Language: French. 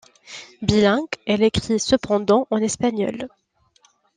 Bilingue, elle écrit cependant en espagnol.